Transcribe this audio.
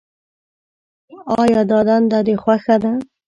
آیا دا دنده دې خوښه ده.